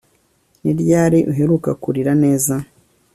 Ni ryari uheruka kurira neza